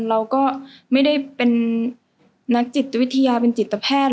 เราก็ไม่ได้เป็นนักจิตวิทยาเป็นจิตแพทย์